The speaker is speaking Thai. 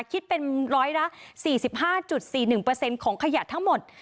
คิดเป็นร้อยละ๔๕๔๑ของขยะทั้งหมด